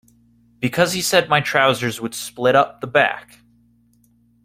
Because he said my trousers would split up the back.